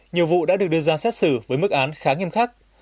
nhiều vụ đã được đưa ra xét xử với mức án khá nghiêm khắc